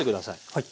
はい。